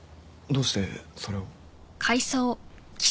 どうしてそれを？